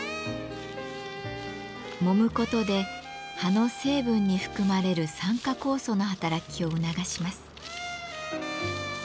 もむことで葉の成分に含まれる酸化酵素の働きを促します。